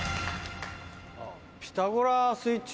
『ピタゴラスイッチ』。